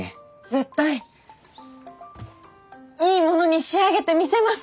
絶対いいものに仕上げてみせます。